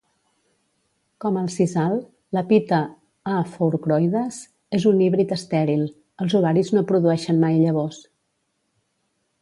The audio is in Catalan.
Com el sisal, la pita (A. Fourcroydes) és un híbrid estèril; els ovaris no produeixen mai llavors.